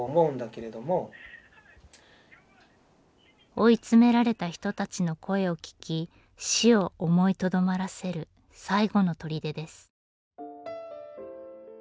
追い詰められた人たちの声を聞き死を思いとどまらせる最後の砦です。